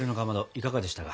いかがでしたか？